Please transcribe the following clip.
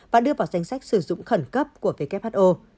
và đưa vào danh sách sử dụng khẩn cấp của who